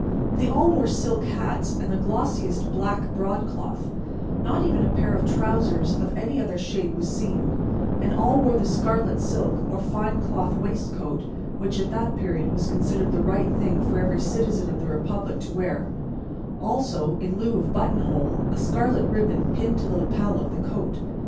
They all wore silk hats and the glossiest black broadcloth, not even a pair of trousers of any other shade was seen; and all wore the scarlet silk or fine cloth waistcoat which, at that period, was considered the right thing for every citizen of the republic to wear; also, in lieu of buttonhole, a scarlet ribbon pinned to the lapel of the coat.